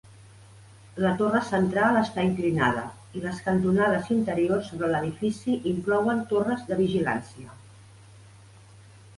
La torre central està inclinada i les cantonades interiors sobre l'edifici inclouen torres de vigilància.